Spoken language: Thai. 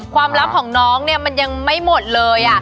ความลับของน้องมันยังไม่หมดเลย